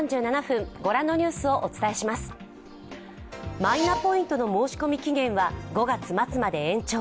マイナポイントの申込期限は５月末まで延長。